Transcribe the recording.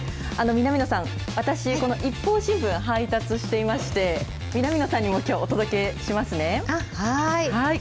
南野さん、私、このＩＰＰＯＵ新聞配達していまして、南野さんにもきょう、お届はーい。